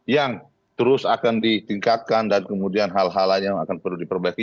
yang terus akan ditingkatkan dan kemudian hal hal lain yang akan perlu diperbaiki